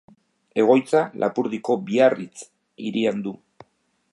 Egoitza Lapurdiko Biarritz hirian du.